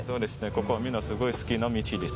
ここはみんなすごい好きな道です